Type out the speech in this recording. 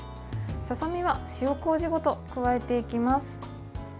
ささみは塩こうじごと加えていきます。